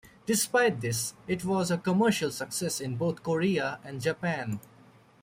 Despite this, it was a commercial success in both Korea and Japan.